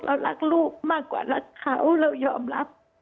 เรารักลูกมากกว่ารักเขาเรายอมรับ